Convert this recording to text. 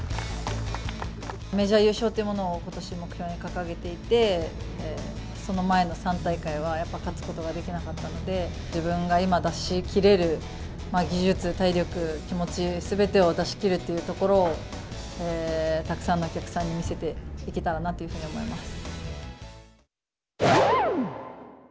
メジャー優勝というものをことし、目標に掲げていて、その前の３大会は、やっぱり勝つことができなかったので、自分が今出しきれる技術、体力、気持ち、すべてを出し切るというところをたくさんのお客さんに見せていけたらなというふうに思います。